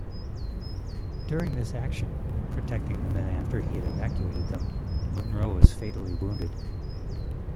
During this action-protecting the men after he had evacuated them-Munro was fatally wounded.